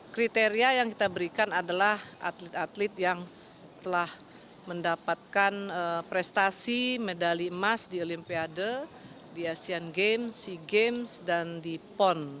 kriteria yang kita berikan adalah atlet atlet yang telah mendapatkan prestasi medali emas di olimpiade di asean games sea games dan di pon